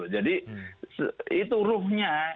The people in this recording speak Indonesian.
jadi itu ruhnya